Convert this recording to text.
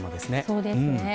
そうですね。